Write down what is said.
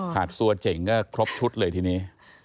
ตัวเจ๋งก็ครบชุดเลยทีนี้